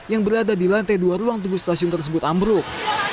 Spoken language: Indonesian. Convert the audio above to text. yang berada di lantai dua ruang tunggu stasiun tersebut ambruk